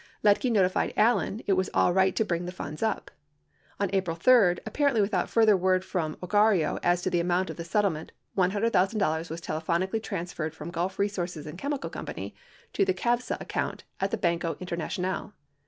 61 Liedtke notified Allen it was all right to bring the funds up. On April 3, apparently without further word from Ogarrio as to the amount of the settlement, $100,000 was telephonically transferred from Gulf Resources & Chemical Co. to the CAVSA account at the Banco International.